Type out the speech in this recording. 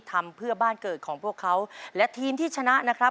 ทำเพื่อบ้านเกิดของพวกเขาและทีมที่ชนะนะครับ